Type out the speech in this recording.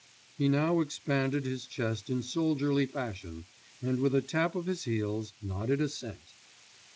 He now expanded his chest in soldierly fashion, and with a tap of his heels, nodded assent.